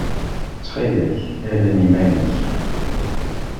Ttxil-k, hedden iman-nnek.